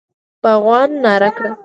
باغوان ناره کړه!